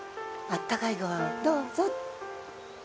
あったかいご飯をどうぞって